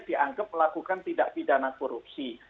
dianggap melakukan tindak pidana korupsi